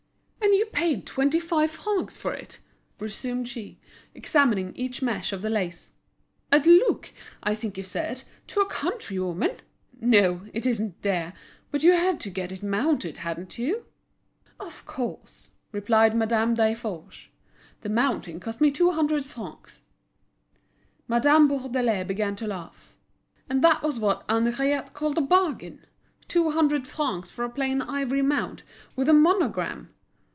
"And you paid twenty five francs for it?" resumed she, examining each mesh of the lace. "At Luc, I think you said, to a country woman? No, it isn't dear; but you had to get it mounted, hadn't you?" "Of course," replied Madame Desforges. "The mounting cost me two hundred francs." Madame Bourdelais began to laugh. And that was what Henriette called a bargain! Two hundred francs for a plain ivory mount, with a monogram!